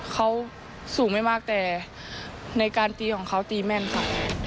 เขาสูงไม่มากแต่ในการตีของเขาตีแม่นค่ะ